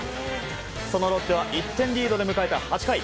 そのロッテは１点リードで迎えた８回。